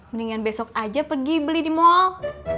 mendingan besok aja pergi beli di mall